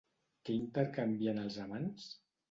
Què intercanvien els amants?